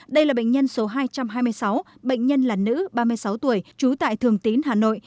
đây là bệnh nhân số hai trăm hai mươi sáu bệnh nhân là nữ ba mươi sáu tuổi trú tại thường tín hà nội